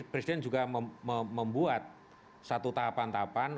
presiden juga membuat satu tahapan tahapan